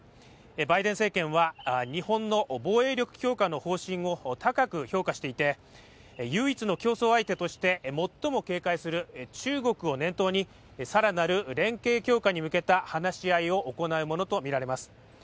バイデン政権は日本の防衛力強化の方針を高く評価していて唯一の競争相手として、最も警戒する中国を念頭に更なる連携強化に向けた話し合いを行うものとみられます。